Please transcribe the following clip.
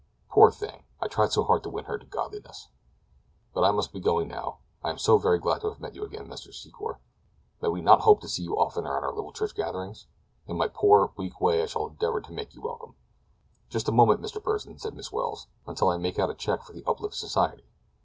Poor thing! I tried so hard to win her to godliness. "But I must be going, now. I am so very glad to have met you again, Mr. Secor. May we not hope to see you oftener at our little church gatherings? In my poor, weak way I shall endeavor to make you welcome." "Just a moment, Mr. Pursen," said Miss Welles, "until I make out a check for the Uplift Society."